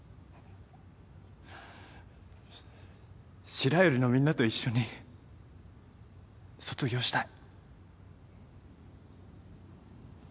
白百合のみんなと一緒に卒業したい。